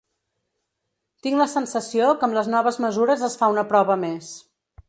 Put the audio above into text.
Tinc la sensació que amb les noves mesures es fa una prova més.